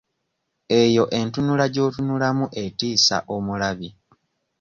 Eyo entunula gy'otunulamu etiisa omulabi.